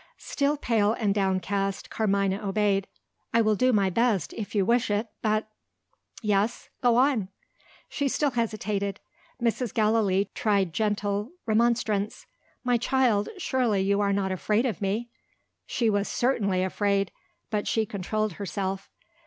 Still pale and downcast, Carmina obeyed. "I will do my best, if you wish it. But " "Yes? Go on." She still hesitated. Mrs. Gallilee tried gentle remonstrance. "My child, surely you are not afraid of me?" She was certainly afraid. But she controlled herself.